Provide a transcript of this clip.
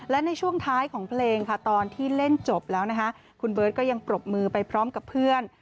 และในช่วงท้ายของเพลงค่ะตอนที่เล่นจบแล้วนะคะคุณเบิร์ตก็ยังปรบมือไปพร้อมกับเพื่อน